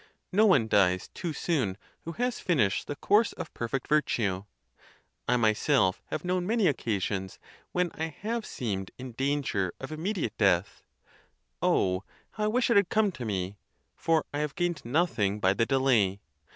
No one dies too soon who has finished the course of perfect virtue. I myself have known many occasions when I have seemed in danger of immediate death; oh! how I wish it had come to me! for I have gained nothing by the delay.